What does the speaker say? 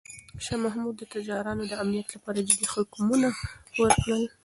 شاه محمود د تجارانو د امنیت لپاره جدي حکمونه ورکړل.